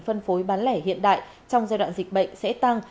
phân phối bán lẻ hiện đại trong giai đoạn dịch bệnh sẽ tăng